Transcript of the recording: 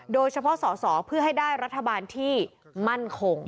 โดยเฉพาะสอสอเพื่อให้ได้รัฐบาลที่มั่นคง